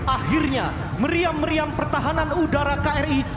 akhirnya meriam meriam pertahanan udara kri